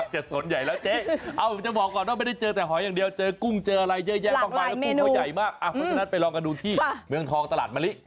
ขอบคุณมากเลยขอบคุณมากนะคะขอบคุณมาก